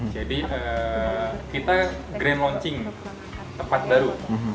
jadi kita grand launching tempat baru